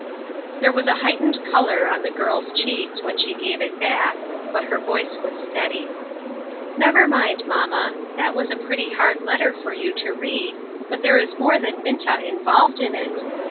There was a heightened color on the girl's cheeks when she gave it back, but her voice was steady. " Never mind, mamma ; that was a pretty hard letter for you to read, but there is more than Minta involved in it.